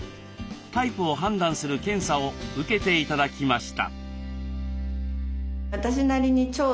タイプを判断する検査を受けて頂きました。